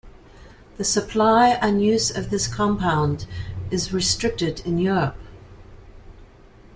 The supply and use of this compound is restricted in Europe.